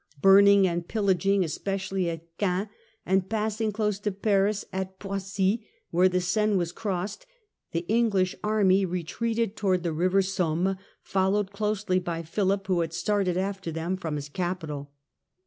Burning and pillaging, especially at Caen, and passing close to Paris at Poissy, where the Seine was crossed, the English army retreated towards the river Somme, fol lowed closely by Philip who had started after them from his capital.